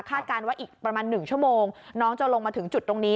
การว่าอีกประมาณ๑ชั่วโมงน้องจะลงมาถึงจุดตรงนี้